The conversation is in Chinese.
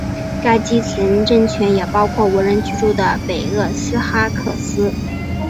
该基层政权也包括无人居住的北厄勒哈克斯。